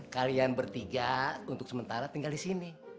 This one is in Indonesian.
kalian bertiga untuk sementara tinggal disini